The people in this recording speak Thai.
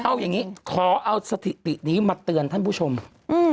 เอาอย่างงี้ขอเอาสถิตินี้มาเตือนท่านผู้ชมอืม